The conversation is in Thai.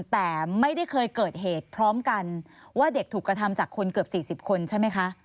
แต่ไม่ได้เคยเกิดเหตุพร้อมกันว่าเด็กถูกกระทำจากคนเกือบ๔๐คนใช่ไหมคะ